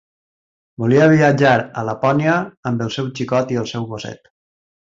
Volia viatjar a Lapònia amb el seu xicot i el seu gosset.